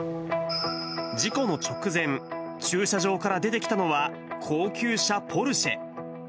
事故の直前、駐車場から出てきたのは、高級車ポルシェ。